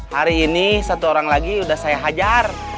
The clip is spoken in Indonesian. hari ini satu orang lagi sudah saya hajar